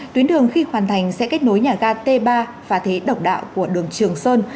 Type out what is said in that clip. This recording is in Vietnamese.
tuyến đường khi hoàn thành sẽ kết nối nhà ga t ba pha thế độc đạo của đường trường sơn